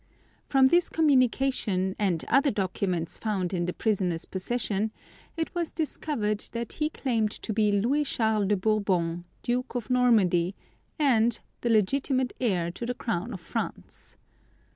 From this communication, and other documents found in the prisoner's possession, it was discovered that he claimed to be Louis Charles de Bourbon, Duke of Normandy, and the legitimate heir to the crown of France.